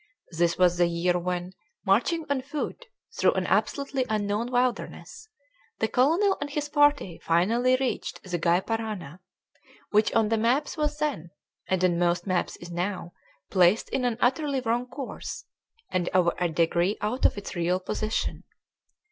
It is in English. This was the year when, marching on foot through an absolutely unknown wilderness, the colonel and his party finally reached the Gy Parana, which on the maps was then (and on most maps is now) placed in an utterly wrong course, and over a degree out of its real position.